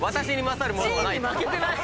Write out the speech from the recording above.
Ｇに負けてない？